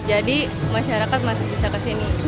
jadi masyarakat masih bisa kesini